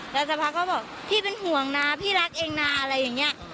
แล้วสักพักก็บอกพี่เป็นห่วงนะพี่รักเองนะอะไรอย่างนี้